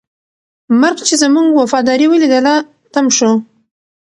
مرګ چې زموږ وفاداري ولیدله، تم شو.